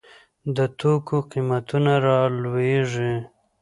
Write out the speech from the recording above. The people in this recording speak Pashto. د توکو قیمتونه رالویږي.